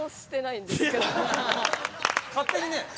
勝手にね。